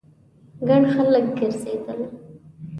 ګڼ خلک ګرځېدل.